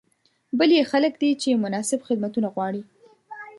بل یې خلک دي چې مناسب خدمتونه غواړي.